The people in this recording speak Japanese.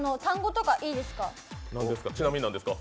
ちなみになんですか？